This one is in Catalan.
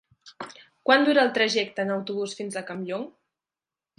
Quant dura el trajecte en autobús fins a Campllong?